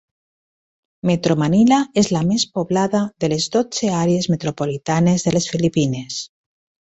Metro Manila és la més poblada de les dotze àrees metropolitanes de les Filipines.